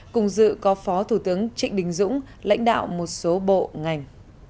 cùng dự có phó thủ tướng trịnh đình dũng lãnh đạo một số bộ ngành